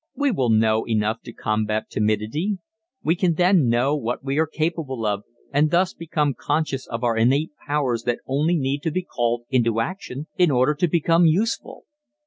We will know enough to combat timidity. We can then know what we are capable of, and thus become conscious of our innate powers that only need to be called into action in order to become useful.